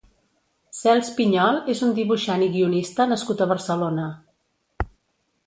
Cels Piñol és un dibuixant i guionista nascut a Barcelona.